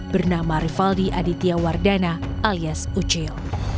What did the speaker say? bernama rivaldi aditya wardana alias ucil